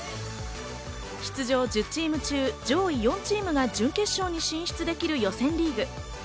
出場１０チーム中、上位４チームが準決勝に進出できる予選リーグ。